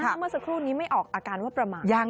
เมื่อสักครู่นี้ไม่ออกอาการว่าประมาท